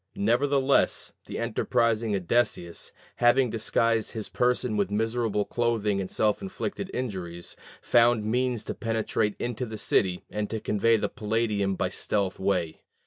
Nevertheless, the enterprising Odysseus, having disguised his person with miserable clothing and self inflicted injuries, found means to penetrate into the city and to convey the Palladium by stealth away.